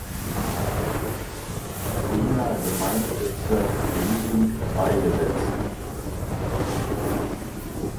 Wiener Gemeindebezirk Liesing beigesetzt.